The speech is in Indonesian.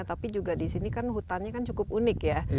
tapi juga disini kan hutannya cukup unik ya